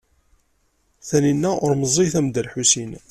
Tanina ur meẓẓiyet am Dda Lḥusin.